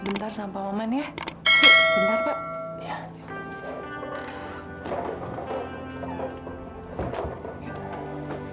ya mari kita membeli enggak aku mauaz